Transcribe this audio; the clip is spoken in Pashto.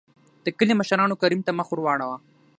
دکلي مشرانو کريم ته مخ ور ور واړو .